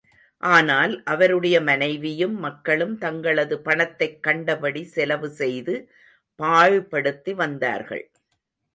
ஆனால் அவருடைய மனைவியும் மக்களும் தங்களது பணத்தைக் கண்டபடி செலவு செய்து பாழ்படுத்தி வந்தார்கள்.